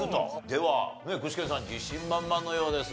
では具志堅さん自信満々のようです。